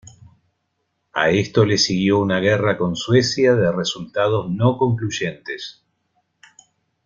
A esto le siguió una guerra con Suecia de resultados no concluyentes.